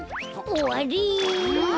おわり！